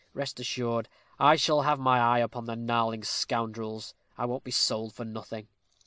Rest assured I shall have my eye upon the gnarling scoundrels. I won't be sold for nothing."